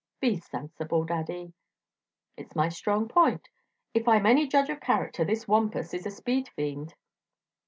"Be sensible, Daddy." "It's my strong point. If I'm any judge of character this Wampus is a speed fiend."